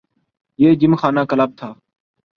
یہ gymkhana club تھا۔